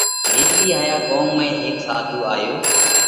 ھيڪ ۮِي ھايا ڳوم ۾ ھيڪ ساڌُو آيو